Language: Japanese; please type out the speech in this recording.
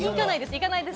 行かないです。